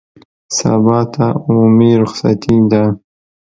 سبا ته عمومي رخصتي ده